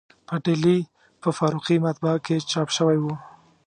په ډهلي په فاروقي مطبعه کې چاپ شوی و.